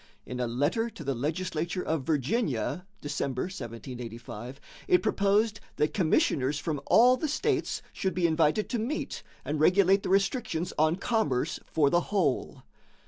In a letter to the legislature of Virginia (December, 1785), it proposed that commissioners from all the states should be invited to meet and regulate the restrictions on commerce for the whole.